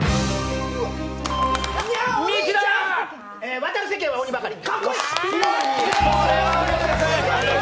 「渡る世間は鬼ばかり」。